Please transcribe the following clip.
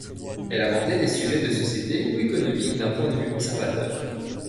Elle abordait des sujets de société ou économiques d'un point de vue conservateur.